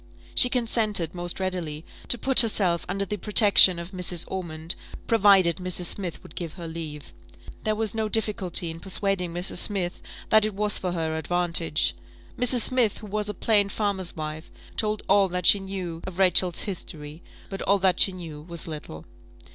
She consented, most readily, to put herself under the protection of Mrs. Ormond, "provided Mrs. Smith would give her leave." There was no difficulty in persuading Mrs. Smith that it was for her advantage. Mrs. Smith, who was a plain farmer's wife, told all that she knew of Rachel's history; but all that she knew was little.